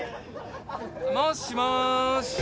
もしもし。